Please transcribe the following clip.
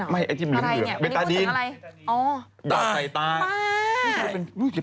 ไม่ไอที่มึงเหลือ